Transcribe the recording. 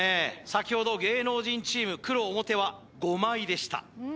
先ほど芸能人チーム黒表は５枚でした